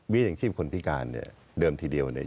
อย่างชีพคนพิการเนี่ยเดิมทีเดียวเนี่ย